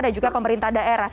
dan juga pemerintah daerah